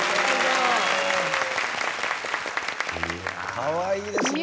かわいいですね。